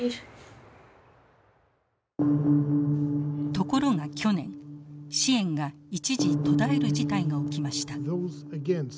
ところが去年支援が一時途絶える事態が起きました。